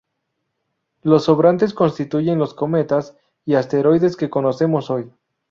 Los sobrantes constituyen los cometas y asteroides que conocemos hoy.